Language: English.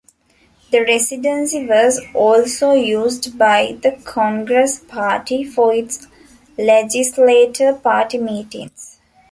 The Residency was also used by the Congress party for its legislature party meetings.